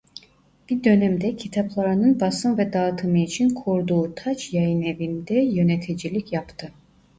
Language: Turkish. Bir dönem de kitaplarının basım ve dağıtımı için kurduğu Taç Yayınevi'nde yöneticilik yaptı.